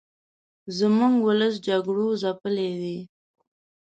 زموږ ولس جګړو ځپلې دې